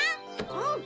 うん！